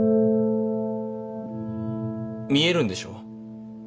見えるんでしょ？